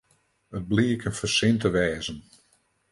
It bliek in fersin te wêzen.